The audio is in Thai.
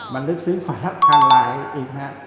มันลึกซึ้งฝนอะไรอีกนะ